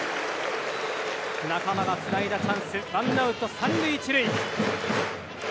仲間がつないだチャンスワンアウト３塁１塁。